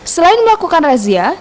selain melakukan razia